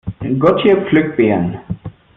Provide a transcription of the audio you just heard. Gotje pflückt Beeren.